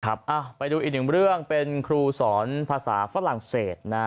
ไปดูอีกหนึ่งเรื่องเป็นครูสอนภาษาฝรั่งเศสนะ